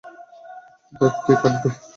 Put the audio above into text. দাগ কে কাটবে?